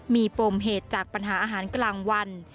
มีปมเหตุจากปัญหาอาหารกลางวัน